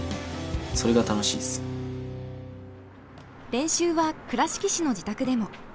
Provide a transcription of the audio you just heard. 練習は倉敷市の自宅でも。